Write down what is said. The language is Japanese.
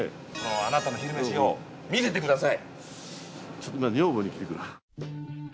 あなたの昼めし見せて下さい！